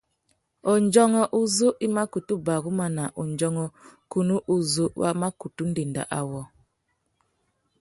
Undjông uzu i mà kutu baruma nà undjông kunú uzu wa mà kutu ndénda awô.